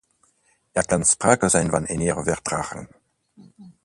Er kan sprake zijn van enige vertraging.